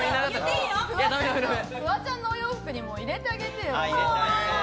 フワちゃんのお洋服にも入れてあげてよ。